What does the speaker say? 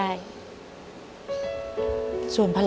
ผมคิดว่าสงสารแกครับ